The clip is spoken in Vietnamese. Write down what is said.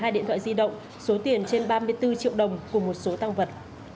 một mươi hai điện thoại di động số tiền trên ba mươi bốn triệu đồng của một số tang vật